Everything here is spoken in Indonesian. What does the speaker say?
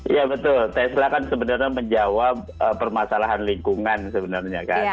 iya betul tesla kan sebenarnya menjawab permasalahan lingkungan sebenarnya kan